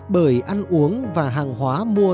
bởi ăn uống và hàng hóa mua